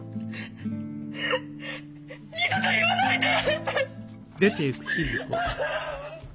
二度と言わないで！